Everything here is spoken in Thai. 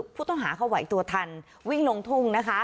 ผู้ต้องหาเขาไหวตัวทันวิ่งลงทุ่งนะคะ